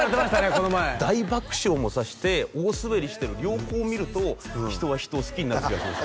この前大爆笑もさせて大スベりしてる両方見ると人は人を好きになる気がします